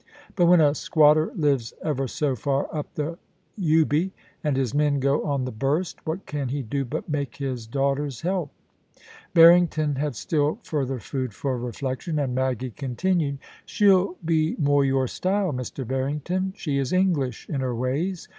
But when a squatter lives ever so far up the Ubi, and his men go on the burst, what can he do but make his daughters help ?* Barrington had still further food for reflection, and Maggie continued :* She'll be more your style, Mr. Barrington. She is English in her ways.